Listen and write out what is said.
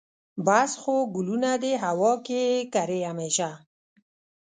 بس خو ګلونه دي هوا کې یې کرې همیشه